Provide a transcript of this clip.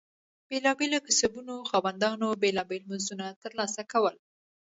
بېلابېلو کسبونو خاوندانو بېلابېل مزدونه ترلاسه کول.